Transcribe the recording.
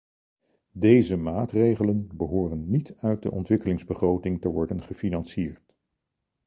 Deze maatregelen behoren niet uit de ontwikkelingsbegroting te worden gefinancierd.